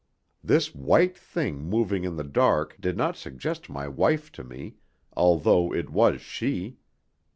This white thing moving in the dark did not suggest my wife to me, although it was she.